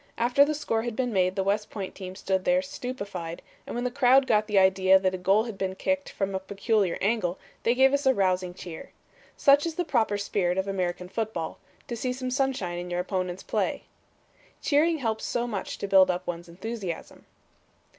After the score had been made the West Point team stood there stupefied, and when the crowd got the idea that a goal had been kicked from a peculiar angle, they gave us a rousing cheer. Such is the proper spirit of American football; to see some sunshine in your opponent's play. "Cheering helps so much to build up one's enthusiasm."